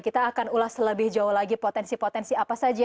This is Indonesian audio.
kita akan ulas lebih jauh lagi potensi potensi apa saja